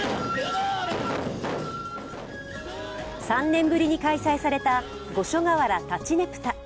３年ぶりに開催された五所川原立佞武多。